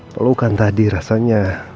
pelukan tadi rasanya